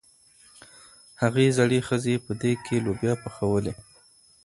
هغې زړې ښځې په دېګ کې لوبیا پخولې.